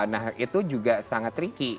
nah itu juga sangat tricky